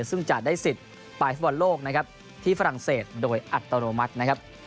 ซึ่งจะได้สิทธิ์ไปฟุตบอลโลกนะครับที่ฝรั่งเศสโดยอัตโนมัตินะครับ